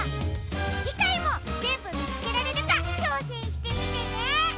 じかいもぜんぶみつけられるかちょうせんしてみてね！